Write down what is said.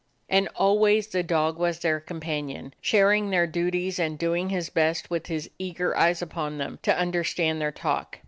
And always the dog was their companion, sharing their duties and doing his best, with his eager eyes upon them, to understand their talk.